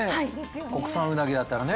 国産うなぎだったらね。